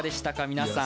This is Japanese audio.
皆さん。